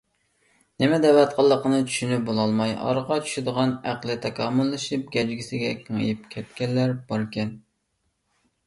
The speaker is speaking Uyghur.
نېمە دەۋاتقانلىقىنى چۈشىنىپ بولالماي ئارىغا چۈشىدىغان ئەقلى تاكامۇللىشىپ گەجگىسىگە كېڭىيىپ كەتكەنلەر باركەن.